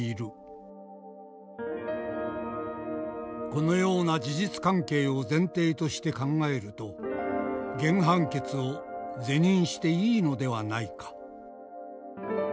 「このような事実関係を前提として考えると原判決を是認していいのではないか」。